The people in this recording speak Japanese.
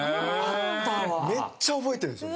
めっちゃ覚えてるんですよ